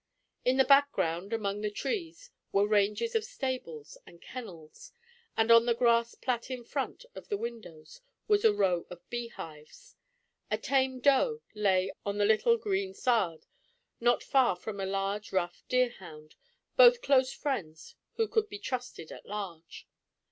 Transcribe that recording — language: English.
In the background among the trees were ranges of stables and kennels, and on the grass plat in front of the windows was a row of beehives. A tame doe lay on the little green sward, not far from a large rough deer hound, both close friends who could be trusted at large.